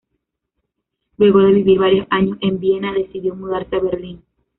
Luego de vivir varios años en Viena decidió mudarse a Berlín.